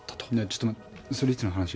ちょっとそれいつの話？